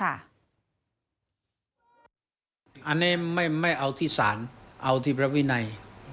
อันนี้ไม่เอาที่ศาลเอาที่พระวินัย